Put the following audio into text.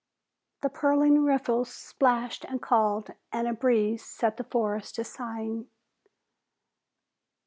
The purling riffles splashed and called and a breeze set the forest to sighing.